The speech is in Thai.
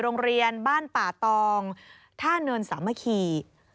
โรงเรียนบ้านป่าตองท่าเนินสามัคคี